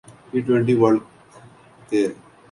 T twenty world ک